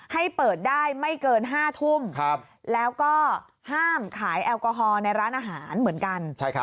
ให้เปิดได้ไม่เกิน๕ทุ่มแล้วก็ห้ามขายแอลกอฮอลในร้านอาหารเหมือนกัน